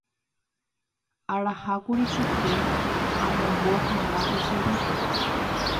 Araha kuri chupe amombo hag̃ua ysyrýpe.